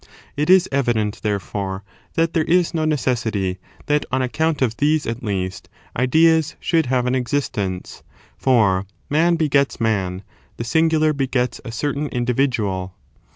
It is evident, therefore, that there is no necessity that on account of these, at least ideas should have an existence; for man begets man, the singular begets a certain individual.